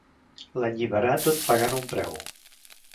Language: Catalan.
L'alliberà tot pagant un preu.